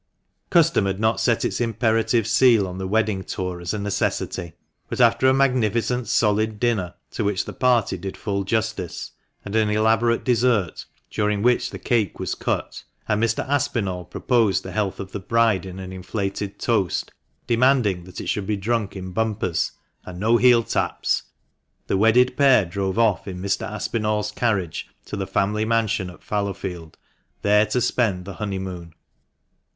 Custom had not set its imperative seal on the wedding tour as a necessity, but after a magnificent solid dinner, to which the party did full justice, and an elaborate dessert, during which the cake was cut, and Mr. Aspinall proposed the health of the bride in an inflated toast, demanding that it should be drunk in bumpers, "and no heel taps," the wedded pair drove off in Mr. Aspinall's carriage to the family mansion at Fallowfield, there to spend the honeymoon.